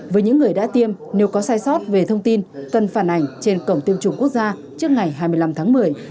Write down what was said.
với những người đã tiêm nếu có sai sót về thông tin cần phản ảnh trên cổng tiêm chủng quốc gia trước ngày hai mươi năm tháng một mươi